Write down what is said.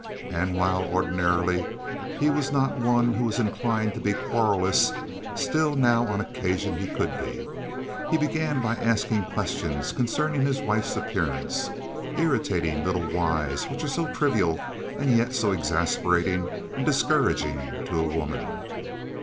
And while ordinarily, he was not one who was inclined to be querulous, still now on occasion, he could be. He began by asking questions concerning his wife's appearance—irritating little whys which are so trivial and yet so exasperating and discouraging to a woman.